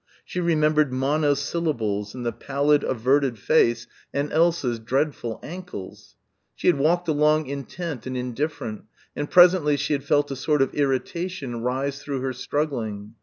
She remembered monosyllables and the pallid averted face and Elsa's dreadful ankles. She had walked along intent and indifferent and presently she had felt a sort of irritation rise through her struggling.